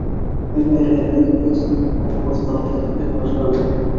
Минең эргәмә еткәс, ул мыҫҡыллы итеп һүҙ башланы: